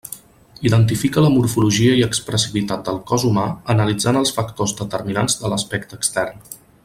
Identifica la morfologia i expressivitat del cos humà analitzant els factors determinants de l'aspecte extern.